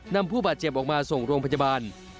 นำผู้บาดเจ็บออกมาส่งร่วงพัฒนาประชาบาล